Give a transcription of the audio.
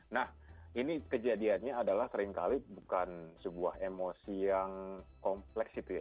nah ini kejadiannya adalah seringkali bukan sebuah emosi yang kompleks itu ya